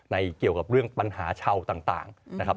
เกี่ยวกับเรื่องปัญหาเช่าต่างนะครับ